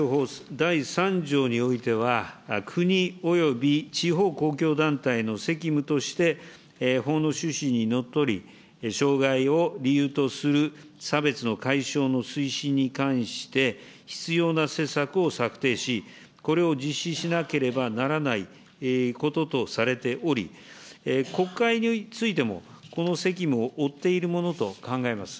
第３条においては、国および地方公共団体の責務として、法の趣旨にのっとり、障害を理由とする差別の解消の推進に関して、必要な施策を策定し、これを実施しなければならないこととされており、国会についてもこの責務を負っているものと考えます。